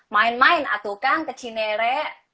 main main atuh kang ke cinere